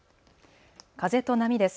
風と波です。